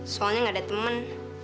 soalnya gak ada temen